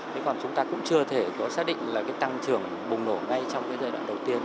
thế còn chúng ta cũng chưa thể có xác định là cái tăng trưởng bùng nổ ngay trong cái giai đoạn đầu tiên